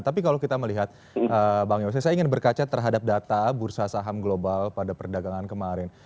tapi kalau kita melihat bang yose saya ingin berkaca terhadap data bursa saham global pada perdagangan kemarin